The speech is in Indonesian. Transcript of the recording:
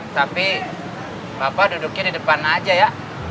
tapi bapak duduknya di depan aja ya